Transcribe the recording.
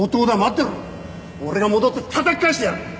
てろ俺が戻ってたたき返してやる！